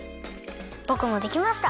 ぼくもできました。